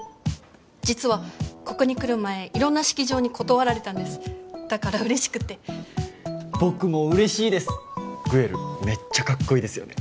実はここに来る前色んな式場に断られたんですだから嬉しくて僕も嬉しいですグエルメッチャかっこいいですよね